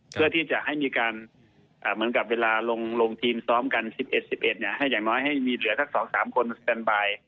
เพื่อที่จะให้มีการเหมือนกับเวลาลงทีมซ้อมกัน๑๑๑๑ให้อย่างน้อยให้มีเหลือสัก๒๓คนสแตนบาย